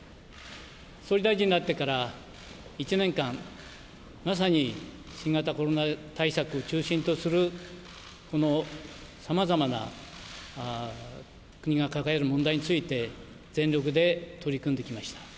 総理大臣になってから１年間、まさに新型コロナ対策を中心とするこのさまざまな国が抱える問題について、全力で取り組んできました。